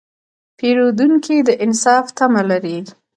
پیرودونکی د انصاف تمه لري.